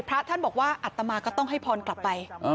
พระท่านบอกว่าอัตมาก็ต้องให้พรกลับไป